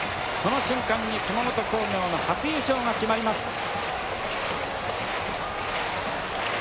その瞬間に熊本工業の初優勝が決まります。